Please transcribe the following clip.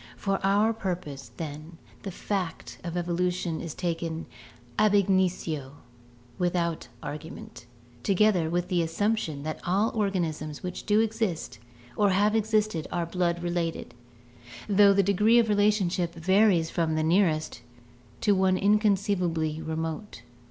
For our purpose, then, the fact of evolution is taken ab initio, without argument, together with the assumption that all organisms which do exist or have existed are blood related, though the degree of relationship varies from the nearest to one inconceivably remote.